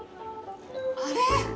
あれ？